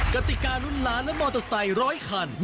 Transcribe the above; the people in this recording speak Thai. กติการุ่นล้านและมอเตอร์ไซค์ร้อยคัน